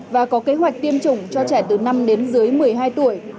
và có kế hoạch tiêm chủng cho trẻ từ năm đến dưới một mươi hai tuổi